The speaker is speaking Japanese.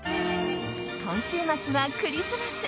今週末はクリスマス。